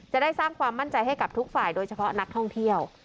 จะได้สร้างความมั่นใจให้กับทุกฝ่ายโดยเฉพาะนักท่องเที่ยว